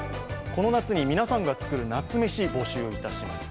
この夏に皆さんが作る夏メシを募集いたします。